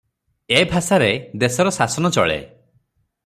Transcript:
ଏ ଭାଷାରେ ଦେଶର ଶାସନ ଚଳେ ।